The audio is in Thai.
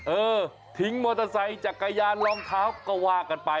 เออทิ้งมอเตอร์ไซค์จักรยานรองเท้าก็ว่ากันไป